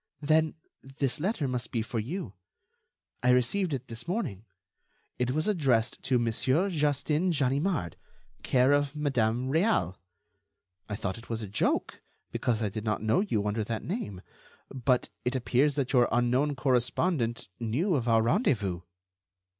"Then, this letter must be for you. I received it this morning. It was addressed to 'Mon. Justin Ganimard, care of Madame Réal.' I thought it was a joke, because I did not know you under that name, but it appears that your unknown correspondent knew of our rendezvous."